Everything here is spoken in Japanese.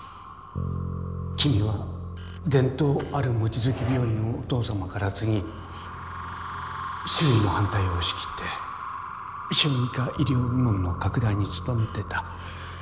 君は伝統ある望月病院をお義父様から継ぎ周囲の反対を押し切って小児科医療部門の拡大に努めてた。